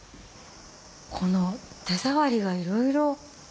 この手触りがいろいろ。